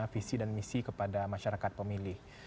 visi dan misi kepada masyarakat pemilih